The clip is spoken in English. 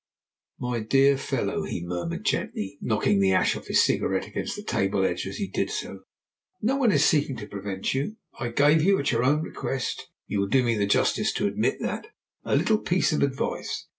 "My dear fellow," he murmured gently, knocking off the ash of his cigarette against the table edge as he did so, "no one is seeking to prevent you. I gave you, at your own request you will do me the justice to admit that a little piece of advice.